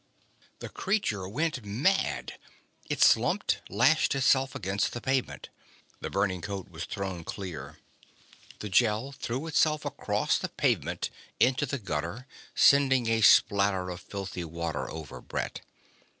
The creature went mad. It slumped, lashed itself against the pavement. The burning coat was thrown clear. The Gel threw itself across the pavement, into the gutter, sending a splatter of filthy water over Brett.